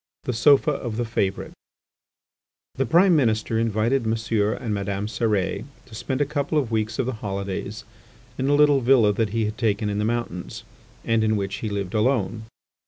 THE SOFA OF THE FAVOURITE The Prime Minister invited Monsieur and Madame Cérès to spend a couple of weeks of the holidays in a little villa that he had taken in the mountains, and in which he lived alone.